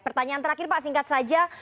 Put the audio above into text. pertanyaan terakhir pak singkat saja